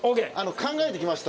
考えてきました。